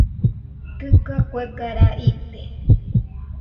Dɨga kuega raa ite.